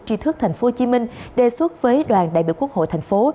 nữ tri thước tp hcm đề xuất với đoàn đại biểu quốc hội thành phố